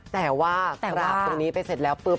แต่ว่าตรงนี้ไปเสร็จแล้วปุ๊บปุ๊บ